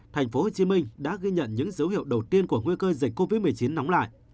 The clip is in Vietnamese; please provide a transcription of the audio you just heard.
tp hcm đã ghi nhận những dấu hiệu đầu tiên của nguy cơ dịch covid một mươi chín nóng lại